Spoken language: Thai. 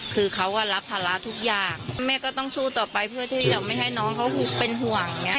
คือเขาก็รับภาระทุกอย่างแม่ก็ต้องสู้ต่อไปเพื่อที่จะไม่ให้น้องเขาเป็นห่วงอย่างเงี้